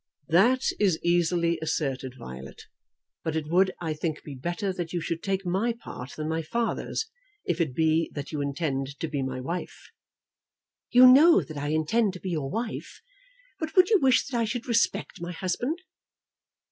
"That is easily asserted, Violet; but it would, I think, be better that you should take my part than my father's, if it be that you intend to be my wife." "You know that I intend to be your wife; but would you wish that I should respect my husband?"